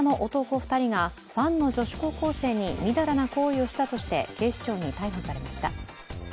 ２人がファンの女子高校生にみだらな行為をしたとして警視庁に逮捕されました。